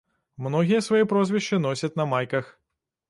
Многія свае прозвішчы носяць на майках.